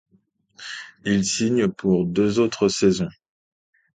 Il signe pour deux autres saisons.